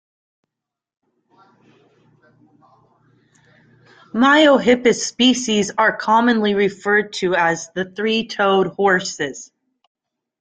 "Miohippus" species are commonly referred to as the three-toed horses.